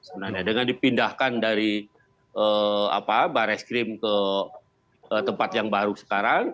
sebenarnya dengan dipindahkan dari apa bares krim ke tempat yang baru sekarang